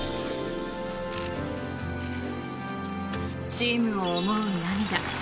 チームを思う涙。